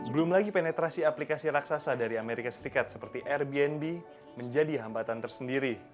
belum lagi penetrasi aplikasi raksasa dari amerika serikat seperti airbnb menjadi hambatan tersendiri